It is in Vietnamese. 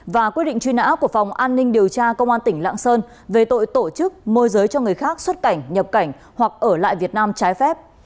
và quyết định truy nã của phòng an ninh điều tra công an tỉnh lạng sơn về tội tổ chức môi giới cho người khác xuất cảnh nhập cảnh hoặc ở lại việt nam trái phép